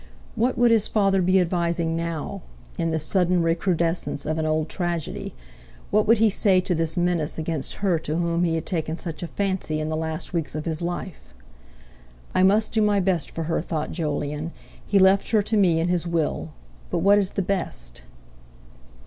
What would his father be advising now, in this sudden recrudescence of an old tragedy—what would he say to this menace against her to whom he had taken such a fancy in the last weeks of his life? "I must do my best for her," thought Jolyon; "he left her to me in his will. But what is the best?"